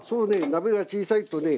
鍋が小さいとね